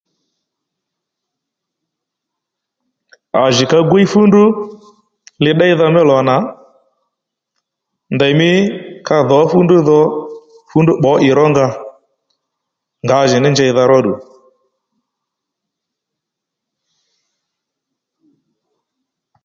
À jì ka gwíy fú ndrú li ddéydha mí lò nà ndèymí ka dhǒ fú ndrú dho fúndrú pbǒ ì rónga ngǎjìní njeydha róddù